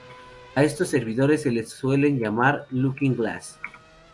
A estos servidores se les suelen llamar Looking Glass.